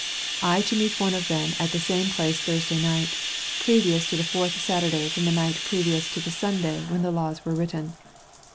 I to meet one of them at the same place Thursday night, previous to the fourth Saturday from the night previous to the Sunday when the laws were written.